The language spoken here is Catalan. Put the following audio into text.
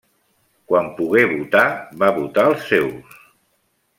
Quan pogué votar, va votar els seus.